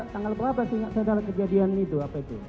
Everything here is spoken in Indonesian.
tanggal berapa sih saudara kejadian itu apa itu